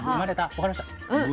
分かりました？